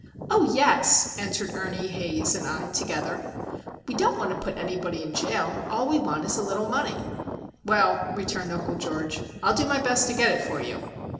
"Oh, yes!" answered Ernie, Haze, and I, together. "We don't want to put anybody in jail. All we want is a little money." "Well," returned Uncle George, "I'll do my best to get it for you."